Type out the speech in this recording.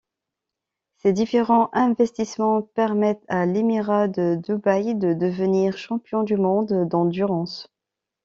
Ses différents investissement permettent à l'émirat de Dubaï de devenir champion du monde d'endurance.